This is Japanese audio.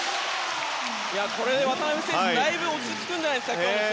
これで渡邊選手、だいぶ落ち着くんじゃないですか。